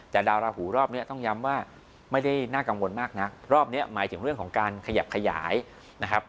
แต่ดาวราหูรอบนี้ต้องย้ำว่าไม่ได้น่ากังวลมากนักรอบนี้หมายถึงเรื่องของการขยับขยายนะครับ